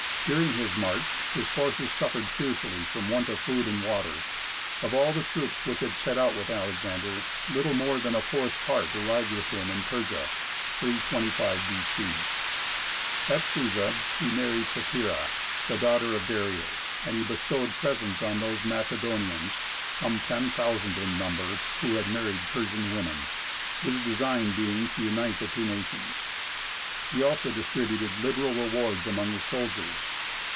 During this march his forces suffered fearfully from want of food and water. Of all the troops which had set out with Alexander, little more than a fourth part arrived with him in Persia (325 B.C.). [Illustration: Alexander discovering the Body of Darius.] At Susa he married Stateira, the daughter of Darius, and he bestowed presents on those Macedonians (some ten thousand in number) who had married Persian women, his design being to unite the two nations. He also distributed liberal rewards among his soldiers.